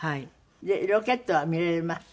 ロケットは見られました？